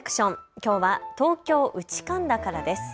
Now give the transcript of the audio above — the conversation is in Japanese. きょうは東京内神田からです。